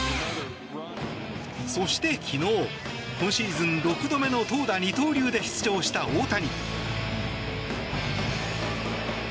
そして昨日、今シーズン６度目の投打二刀流で出場した大谷。